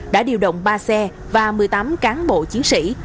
đã điều động ba xe và một mươi tám cán bộ chiến sĩ